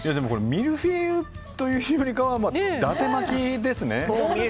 ミルフィーユというよりかは伊達巻きですね。